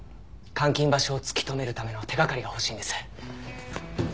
監禁場所を突き止めるための手掛かりが欲しいんです。